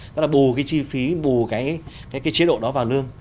tức là bù cái chi phí bù cái chế độ đó vào lương